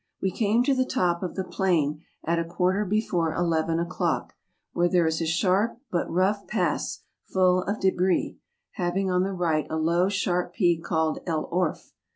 We came to the top of the plain at a quarter before eleven o'clock, where is a sharp, but rough, pass, full of debris, having on the right a low, sharp peak called El Orf.